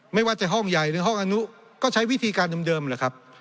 ไม่ว่าจะห้องใหญ่หรือห้องอนุก็ใช้วิธีการเดิมแหละครับ